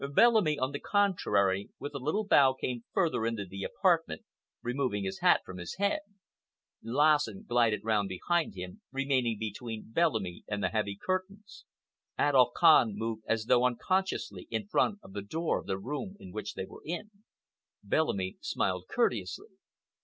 Bellamy, on the contrary, with a little bow came further into the apartment, removing his hat from his head. Lassen glided round behind him, remaining between Bellamy and the heavy curtains. Adolf Kahn moved as though unconsciously in front of the door of the room in which they were. Bellamy smiled courteously.